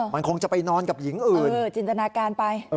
มันคงจะไปนอนกับหญิงอื่นจินตนาการไป